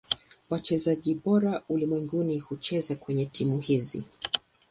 Wachezaji bora ulimwenguni hucheza kwenye timu hizi.